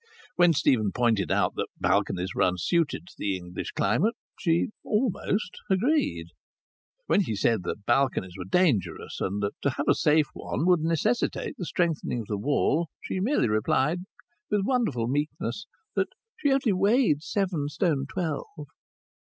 When Stephen pointed out that balconies were unsuited to the English climate, she almost agreed. When he said that balconies were dangerous and that to have a safe one would necessitate the strengthening of the wall, she merely replied, with wonderful meekness, that she only weighed seven stone twelve.